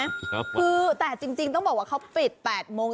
คือแต่จริงต้องบอกว่าเขาปิด๘โมง